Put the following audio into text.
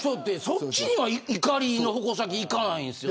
そっちには怒りの矛先がいかないんですね。